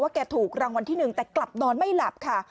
แกถูกรางวัลที่๑แต่กลับนอนไม่หลับค่ะ